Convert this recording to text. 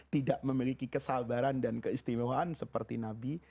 tidak memiliki kesabaran dan keistimewaan seperti nabi